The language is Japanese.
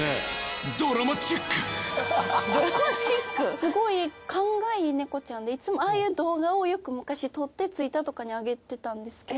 すごい勘がいい猫ちゃんでいつもああいう動画を昔よく撮ってＴｗｉｔｔｅｒとかに上げてたんですけど。